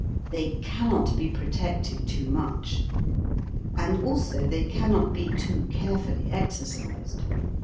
They can not be protected too much ; and also they can not be too carefully exercised.